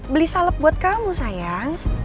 beli salep buat kamu sayang